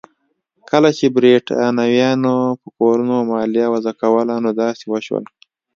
کله چې برېټانویانو په کورونو مالیه وضع کوله نو داسې وشول.